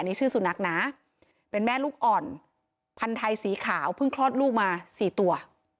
นี่ชื่อสุนัขนะเป็นแม่ลูกอ่อนพันธุ์ไทยสีขาวเพิ่งคลอดลูกมา๔ตัว